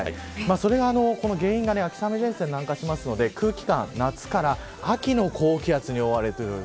その原因が秋雨前線が南下するので空気感が、夏から秋の高気圧に覆われます。